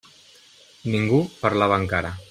Ningú parlava encara.